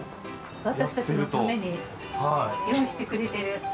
私たちのために用意してくれている。